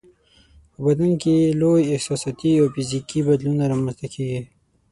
په بدن کې یې لوی احساساتي او فزیکي بدلونونه رامنځته کیږي.